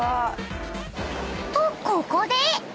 ［とここで］